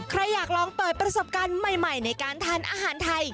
ใครอยากลองเปิดประสบการณ์ใหม่ในการทานอาหารไทย